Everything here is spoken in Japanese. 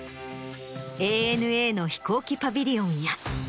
ＡＮＡの飛行機パビリオンや。